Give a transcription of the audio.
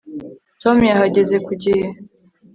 tom yahageze ku gihe